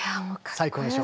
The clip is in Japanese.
最高でしょ。